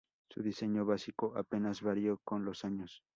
Su diseño básico apenas varió con los años.